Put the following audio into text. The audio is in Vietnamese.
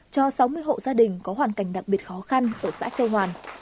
cho sáu mươi hộ gia đình có hoàn cảnh đặc biệt khó khăn ở xã châu hoàn